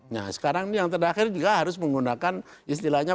nah sekarang ini yang terakhir juga harus menggunakan istilahnya